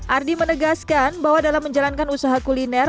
ardi menegaskan bahwa dalam menjalankan usaha kuliner